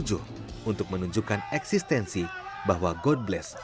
untuk menunjukkan eksistensi bahwa god bless